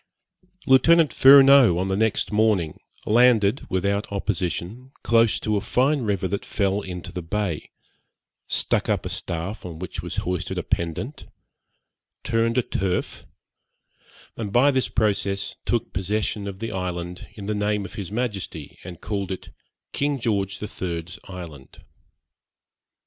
Lieutenant Furneaux, on the next morning, landed, without opposition, close to a fine river that fell into the bay stuck up a staff on which was hoisted a pendant, turned a turf, and by this process took possession of the island in the name of his Majesty, and called it King George the Third's Island.